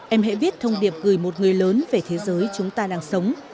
em hãy viết thông điệp gửi một người lớn về thế giới chúng ta đang sống